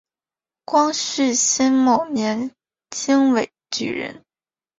光绪辛卯年京闱举人。